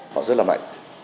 họ rất là mạnh